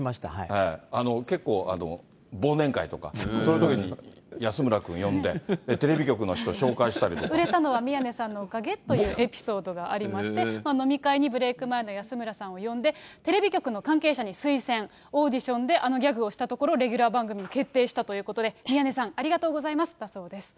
結構、忘年会とかそういうときに安村君呼んで、テレビ局の人、紹介した売れたのは宮根さんのおかげというエピソードがありまして、飲み会にブレーク前の安村さんを呼んで、テレビ局の関係者に推薦、オーディションであのギャグをしたところ、レギュラー番組が決定したということで、宮根さん、ありがとうございますだそうです。